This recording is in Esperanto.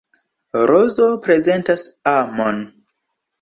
Rozo prezentas amon.